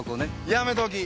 やめとき？